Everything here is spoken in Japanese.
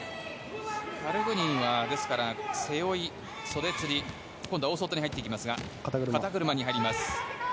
カルグニンは背負い、袖釣り今度は大外に入っていきますが肩車に入ります。